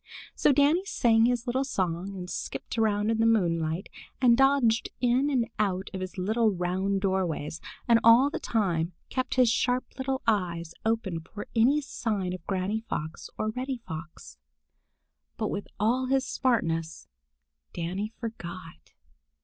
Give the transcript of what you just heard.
So Danny sang his little song and skipped about in the moonlight, and dodged in and out of his little round doorways, and all the time kept his sharp little eyes open for any sign of Granny Fox or Reddy Fox. But with all his smartness, Danny forgot.